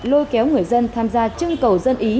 lôi kéo người dân tham gia trưng cầu dân ý